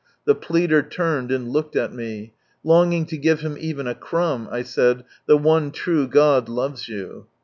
The pleader turned and looked at me. Longing to give him even a crumb, I said, "The one true God loves you."